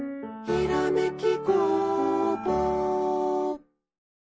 「ひらめき」